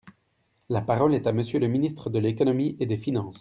La parole est à Monsieur le ministre de l’économie et des finances.